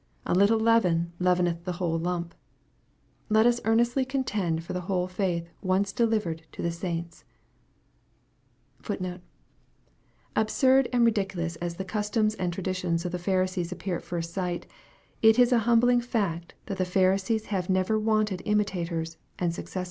A little leaven leaveueth the whole lump. Let us earnestly contend for the whole faith once delivered to the saints. * Absurd and ridiculous as the customs and traditions of the Phari sees appear at first sight, it is a humbling fact that the Pharisees have 136 EXPOSITORY THOUGHTS.